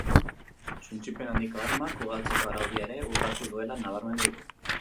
Suntsipen handiko armak ugaltzeko araudia ere urratu duela nabarmendu du.